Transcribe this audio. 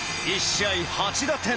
１試合８打点。